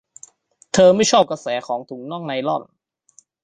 เธอไม่ชอบกระแสของถุงน่องไนลอน